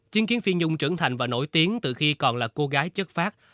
chứng kiến phi nhung trưởng thành và nổi tiếng từ khi còn là cô gái chất phát